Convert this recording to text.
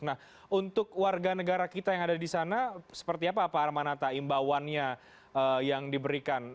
nah untuk warga negara kita yang ada di sana seperti apa pak armanata imbauannya yang diberikan